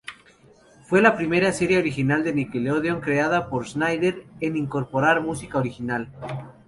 Fue la primera serie original de Nickelodeon creada por Schneider en incorporar música original.